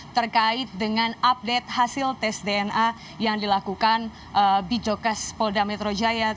terkait dengan update hasil tes dna yang dilakukan bijokas polda metro jaya